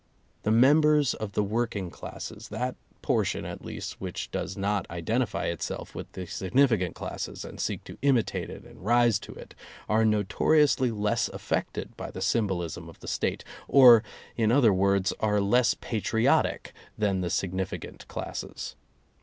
The members of the working classes, that por tion at least which does not identify itself with the significant classes and seek to imitate it and rise to it, are notoriously less affected by the symbolism of the State, or, in other words, are less patriotic than the significant classes.